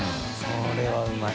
これはうまい。